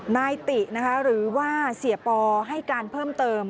นายตินะคะหรือว่าเสียปอให้การเพิ่มเติม